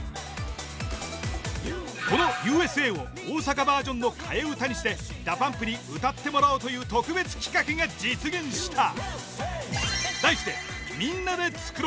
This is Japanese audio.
この「Ｕ．Ｓ．Ａ．」を大阪バージョンの替え歌にしてＤＡＰＵＭＰに歌ってもらおうという特別企画が実現した！